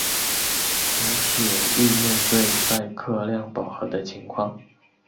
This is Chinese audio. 轻铁亦面对载客量饱和的情况。